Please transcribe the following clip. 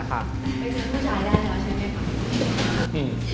ไปเจอผู้ชายได้แล้วใช่ไหมคะ